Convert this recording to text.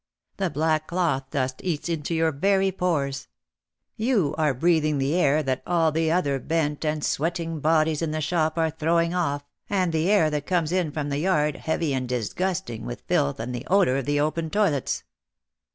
The black cloth dust eats into your very pores. You are breathing the air that all the other bent and sweating bodies in the shop are throwing off, and the air that comes in from the yard heavy and disgusting with filth and the odour of the open toilets.